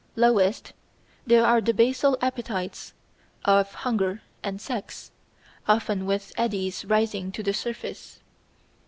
Lowest there are the basal appetites of hunger and sex, often with eddies rising to the surface.